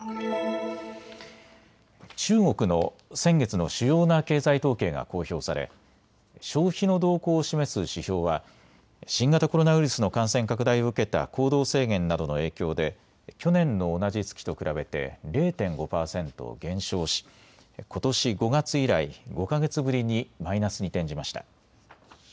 中国の先月の主要な経済統計が公表され消費の動向を示す指標は新型コロナウイルスの感染拡大を受けた行動制限などの影響で去年の同じ月と比べて０．５％減少しことし５月以来、５か月ぶりにマイナスに転じました。